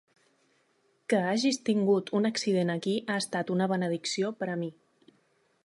Que hagis tingut un accident aquí ha estat una benedicció per a mi.